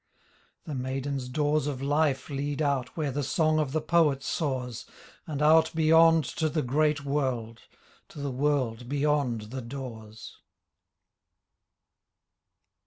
The maidens' doors of Life lead out Where the song of the poet soars. And out beyond to the great world — To the world beyond the doors.